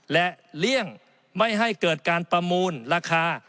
และเลี่ยงไม่ให้เกิดการประมูลราคา